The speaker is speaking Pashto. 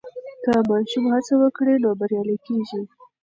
که ماشوم هڅه وکړي نو بریالی کېږي.